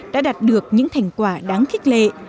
đã đạt được những thành quả đáng thích lệ